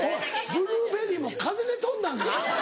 ブルーベリーも風で飛んだんか？